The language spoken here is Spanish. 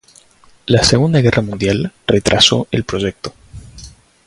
La segunda guerra mundial retrasó el proyecto.